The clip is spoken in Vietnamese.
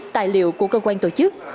tài liệu của cơ quan tổ chức